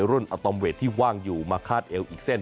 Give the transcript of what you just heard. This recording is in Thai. อัตอมเวทที่ว่างอยู่มาคาดเอวอีกเส้น